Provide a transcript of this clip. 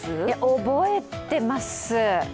覚えています。